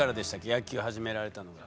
野球始められたのが。